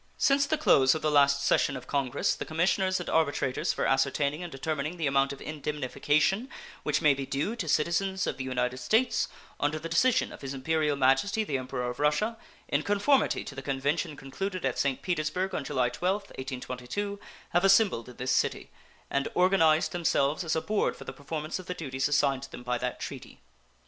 Since the close of the last session of Congress the commissioners and arbitrators for ascertaining and determining the amount of indemnification which may be due to citizens of the United States under the decision of His Imperial Majesty the Emperor of Russia, in conformity to the convention concluded at St. Petersburg on July 12th, 1822, have assembled in this city, and organized themselves as a board for the performance of the duties assigned to them by that treaty.